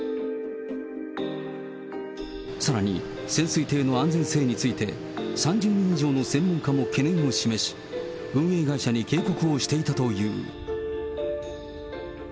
さらに、潜水艇の安全性について、３０人以上の専門家も懸念を示し、運営会社に警告をしていたという。